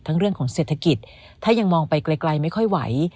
เรื่องของเศรษฐกิจถ้ายังมองไปไกลไม่ค่อยไหว